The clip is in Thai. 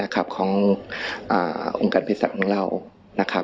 ขององค์การเป็นสัตว์ของเรา